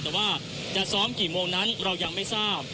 แต่ว่าจะซ้อมกี่โมงนั้นเรายังไม่ทราบ